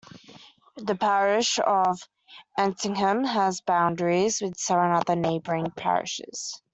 The parish of Antingham has boundaries with seven other neighbouring parishes.